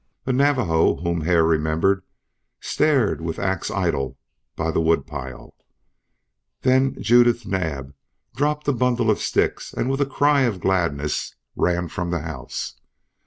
A Navajo whom Hare remembered stared with axe idle by the woodpile, then Judith Naab dropped a bundle of sticks and with a cry of gladness ran from the house.